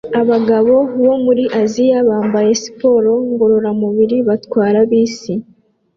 Abagabo bo muri Aziya bambaye siporo ngororamubiri batwara bisi